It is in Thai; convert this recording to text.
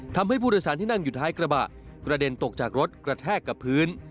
ทำให้ผู้โดยสารที่นั่งอยู่ท้ายกระบะกระเด็นตกจากรถกระแทกกับพื้น